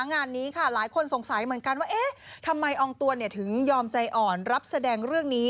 งานนี้ค่ะหลายคนสงสัยเหมือนกันว่าเอ๊ะทำไมอองตวนถึงยอมใจอ่อนรับแสดงเรื่องนี้